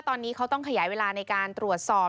ตอนนี้เขาต้องขยายเวลาในการตรวจสอบ